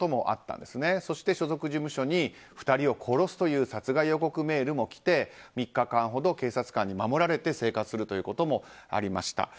そして、所属事務所に２人を殺すという殺害予告メールも来て３日間ほど警察官に守られて生活するということもありました。